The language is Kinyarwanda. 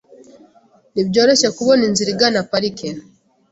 Ntibyoroshye kubona inzira igana parike .